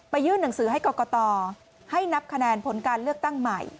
ยื่นหนังสือให้กรกตให้นับคะแนนผลการเลือกตั้งใหม่